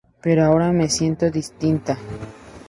Pero ahora me siento distinta...